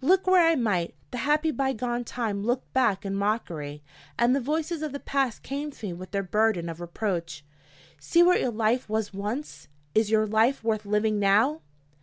Look where I might, the happy by gone time looked back in mockery, and the voices of the past came to me with their burden of reproach: See what your life was once! Is your life worth living now?